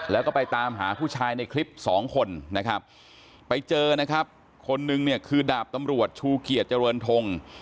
แล้วก็ไปตามหาผู้ชายในคลิปสองคนนะครับไปเจอนะครับคนนึงเนี่ยคือดาบตำรวจชูเกียจเจริญทง